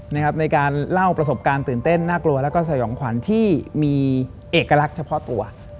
ในการเล่าประสบการณ์ตื่นเต้นน่ากลัวแล้วก็สยองขวัญที่มีเอกลักษณ์เฉพาะตัว